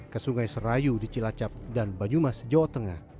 ke sungai serayu di cilacap dan banyumas jawa tengah